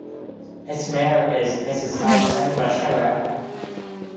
Its mayor is Mrs. Alexandra Scherer.